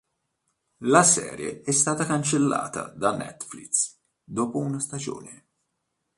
La serie è stata cancellata da Netflix dopo una stagione.